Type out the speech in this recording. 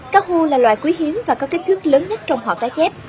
cá hù là loài quý hiếm và có kích thước lớn nhất trong họ tái chép